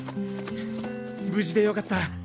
無事でよかった！